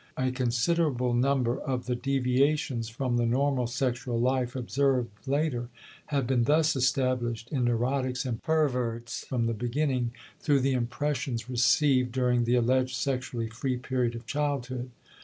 A considerable number of the deviations from the normal sexual life observed later have been thus established in neurotics and perverts from the beginning through the impressions received during the alleged sexually free period of childhood.